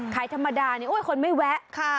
ขายธรรมดาคนไม่แวะ